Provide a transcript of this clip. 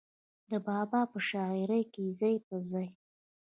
د بابا پۀ شاعرۍ کښې ځای پۀ ځای